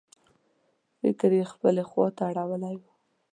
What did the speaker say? فکر یې خپلې خواته اړولی و.